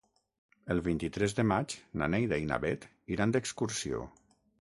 El vint-i-tres de maig na Neida i na Bet iran d'excursió.